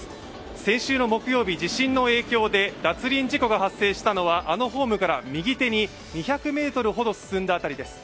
先週の木曜日、地震の影響で脱輪事故が発生したのはあのホームから右手に２００ｍほど進んだ辺りです。